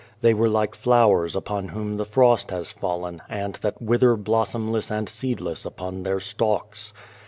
They were like flowers upon whom the frost has fallen and that wither blossomless and seedless upon their stalks.